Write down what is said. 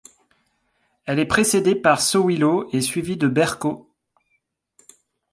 Elle est précédée par Sōwilō et suivi de Berkō.